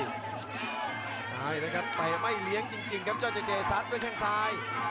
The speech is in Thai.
ใช่เลยครับไปไม่เลี้ยงจริงครับยอดเจเจสัดด้วยแข่งซ้าย